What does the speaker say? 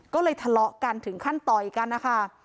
ก็เลยทะเลาะกันถึงขั้นต่อยกันนะคะ